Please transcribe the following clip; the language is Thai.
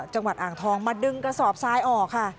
จังหวัดอ่างทองมาดึงกระสอบทรายออกค่ะ